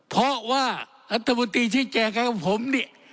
เพราะว่าธบุติที่แจ้งกับผมเนี่ย